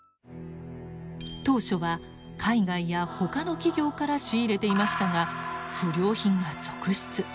当初は海外やほかの企業から仕入れていましたが不良品が続出。